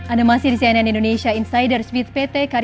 animasi di cnn indonesia insider speed pt karyo citra nusantara